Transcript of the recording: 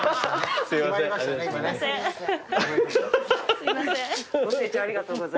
すいません。